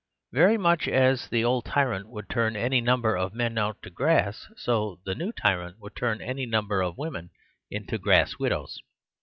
Very much as the old tyrant would turn any number of men out to grass, so the new tyrant would turn any number of women into grass widows.